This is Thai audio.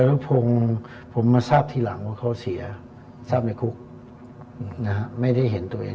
แล้วพงศ์ผมมาทราบทีหลังว่าเขาเสียทราบในคุกนะฮะไม่ได้เห็นตัวเอง